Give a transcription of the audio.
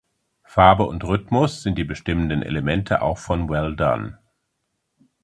Farbe und Rhythmus sind die bestimmenden Elemente auch von Well Done.